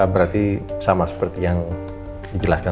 berarti sama seperti yang dijelaskan